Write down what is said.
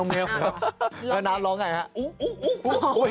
แล้วน้าน้ามึงลองไหนอุ๊บ